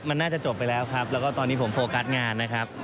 มันน่าจะจบไปแล้วครับแล้วก็ตอนนี้ผมโฟกัสงานนะครับ